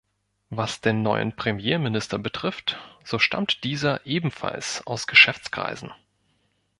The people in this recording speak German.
Was den neuen Premierminister betrifft, so stammt dieser ebenfalls aus Geschäftskreisen.